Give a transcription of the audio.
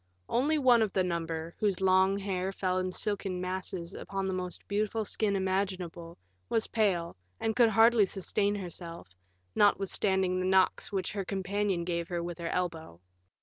One only of the number, whose long hair fell in silken masses upon the most beautiful skin imaginable, was pale, and could hardly sustain herself, notwithstanding the knocks which her companion gave her with her elbow.